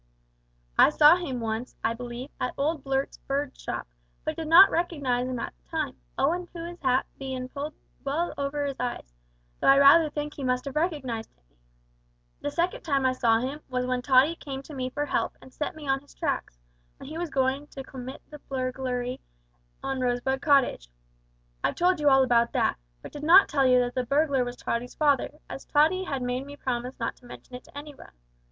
I saw him once, I believe, at old Blurt's bird shop, but did not recognise 'im at the time, owin' to his hat bein' pulled well over his eyes, though I rather think he must have recognised me. The second time I saw him was when Tottie came to me for help and set me on his tracks, when he was goin' to commit the burglary on Rosebud Cottage. I've told you all about that, but did not tell you that the burglar was Tottie's father, as Tottie had made me promise not to mention it to any one.